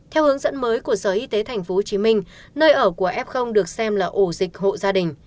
theo hướng dẫn mới của sở y tế tp hcm nơi ở của f được xem là ổ dịch hộ gia đình